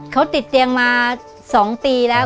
เขาติดเตียงมา๒ปีแล้ว